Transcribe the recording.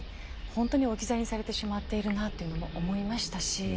本当に置き去りにされてしまっているなというのも思いましたし。